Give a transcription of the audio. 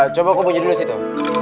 coba aku bunyi dulu di situ